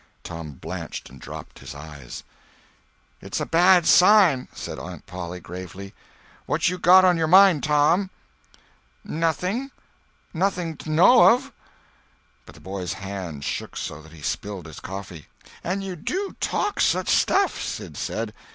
Tom blanched and dropped his eyes. "It's a bad sign," said Aunt Polly, gravely. "What you got on your mind, Tom?" "Nothing. Nothing 't I know of." But the boy's hand shook so that he spilled his coffee. "And you do talk such stuff," Sid said.